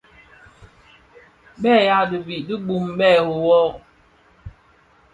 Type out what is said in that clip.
Bèè yaà dig bì di bum bê rì wôô.